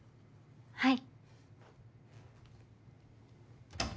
はい。